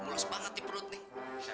mulus banget di perut nih